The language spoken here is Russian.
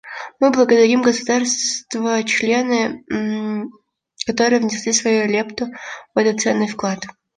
Мы благодарим государства-члены, которые внесли свою лепту в этот ценный вклад.